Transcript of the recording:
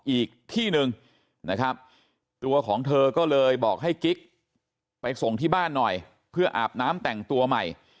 อีกที่หนึ่งนะครับตัวของเธอก็เลยบอกให้กิ๊กไปส่งที่บ้านหน่อยเพื่ออาบน้ำแต่งตัวใหม่